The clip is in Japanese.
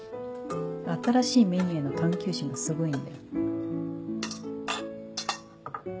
新しいメニューの探究心がすごいんだよ。